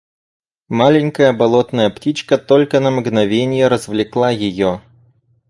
Маленькая болотная птичка только на мгновенье развлекла ее.